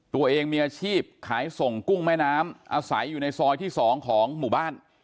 ตัวเองมีอาชีพขายส่งกุ้งแม่น้ำอาศัยอยู่ในซอยที่๒ของหมู่บ้าน